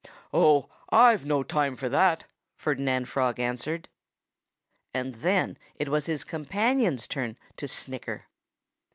"Oh, I've no time for that," Ferdinand Frog answered. And then it was his companion's turn to snicker.